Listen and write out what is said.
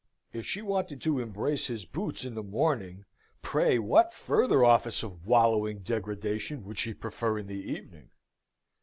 If she wanted to embrace his boots in the morning, pray what further office of wallowing degradation would she prefer in the evening?